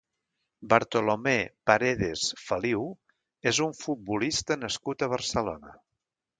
Bartolomé Paredes Feliu és un futbolista nascut a Barcelona.